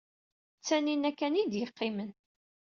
D Taninna kan ay d-yeqqimen.